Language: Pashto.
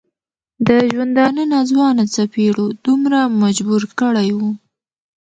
د ژوندانه ناځوانه څپېړو دومره مجبور کړی و.